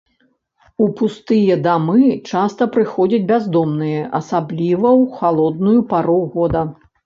У пустыя дамы часта прыходзяць бяздомныя, асабліва ў халодную пару года.